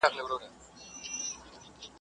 دا ټولنیزې اسانتیاوې د بدلون وړ دي.